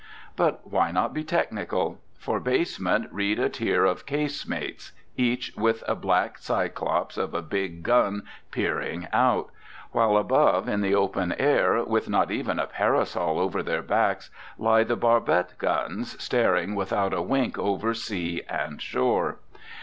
But why not be technical? For basement read a tier of casemates, each with a black Cyclops of a big gun peering out; while above in the open air, with not even a parasol over their backs, lie the barbette guns, staring without a wink over sea and shore.